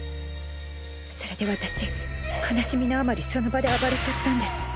それで私悲しみのあまりその場で暴れちゃったんです。